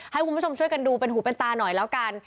ให้คุณผู้ชมช่วยกันดูเป็นหูเป็นตาหน่อยแล้วกัน